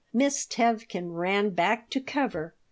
Miss Tevkin ran back to cover.